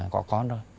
có con rồi